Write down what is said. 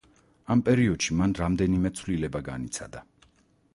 ამ პერიოდში მან რამდენიმე ცვლილება განიცადა.